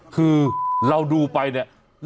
คือเราดูไปเนี่ย